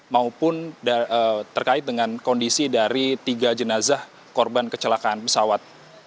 maupun terkait dengan kondisi dari tiga jenazah korban kecelakaan pesawat